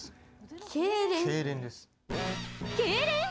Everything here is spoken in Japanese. けいれん？